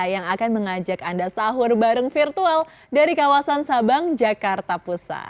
yang akan mengajak anda sahur bareng virtual dari kawasan sabang jakarta pusat